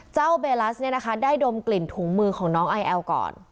เจ้าเบลัสได้ดมกลิ่นถุงมือของน้องไอแอลก่อน